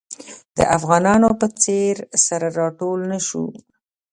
د افغانانو په څېر سره راټول نه شو.